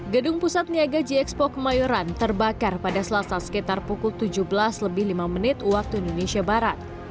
gedung pusat niaga g expo kemayoran terbakar pada selasa sekitar pukul tujuh belas lebih lima menit waktu indonesia barat